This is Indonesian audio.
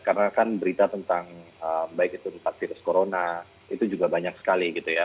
karena kan berita tentang baik itu tentang virus corona itu juga banyak sekali gitu ya